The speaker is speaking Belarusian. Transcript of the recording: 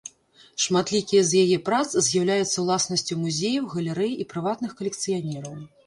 Шматлікія з яе прац з'яўляюцца ўласнасцю музеяў, галерэй і прыватных калекцыянераў.